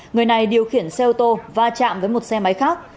người này điều khiển xe ô tô va chạm với một xe máy khác